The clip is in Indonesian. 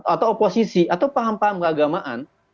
atau oposisi atau paham paham keagamaan